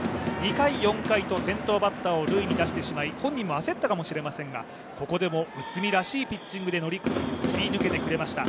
２回、４回と先頭バッターを塁に出してしまい本人も焦ったかもしれませんがここでも内海らしいピッチングで切り抜けてくれました、